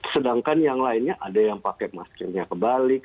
sedangkan yang lainnya ada yang pakai maskernya kebalik